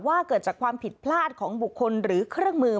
เกิดจากความผิดพลาดของบุคคลหรือเครื่องมือ